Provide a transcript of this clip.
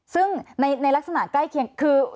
ซึ่งในลักษณะใกล้เคียงคือ